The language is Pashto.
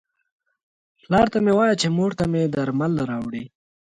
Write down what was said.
پلار ته مې وایه چې مور ته مې درمل راوړي.